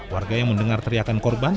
warga yang mendengar teriakan korban